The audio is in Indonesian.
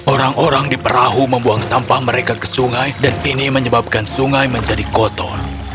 orang orang di perahu membuang sampah mereka ke sungai dan ini menyebabkan sungai menjadi kotor